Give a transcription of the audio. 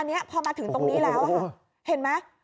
อันนี้พอมาถึงตรงนี้แล้วค่ะเห็นไหม